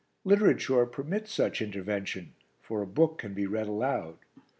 Literature permits such intervention, for a book can be read aloud.